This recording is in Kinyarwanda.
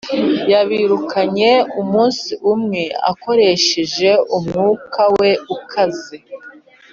yabirukanye umunsi umwe, akoresheje umwuka we ukaze,